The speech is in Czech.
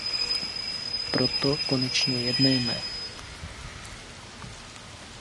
Proto konečně jednejme.